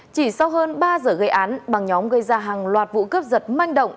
chỉ sau hơn ba giờ gây án bằng nhóm gây ra hàng loạt vụ cướp giật manh động